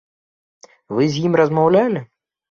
Вы з ім размаўлялі?